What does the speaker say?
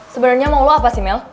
sebenarnya mau lo apa sih mel